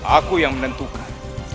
aku yang menentukan